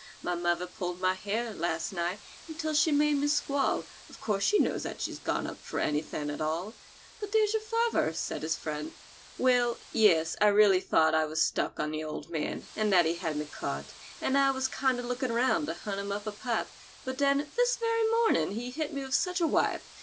My mother pulled my hair, last night, until she made me squall. Of course she knows that she's gone up for anything at all." "But there's your father," said his friend. "Well,—yes—I really thought that I was stuck on the old man, and that he had me caught, and I was kinder looking round to hunt him up a pipe; but then, this very mornin' he hit me such a wipe!